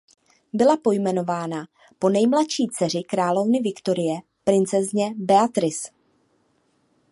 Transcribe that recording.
Byla pojmenována po nejmladší dceři královny Viktorie princezně Beatrice.